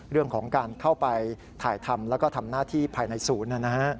เรื่องของการเข้าไปถ่ายทำแล้วก็ทำหน้าที่ภายในศูนย์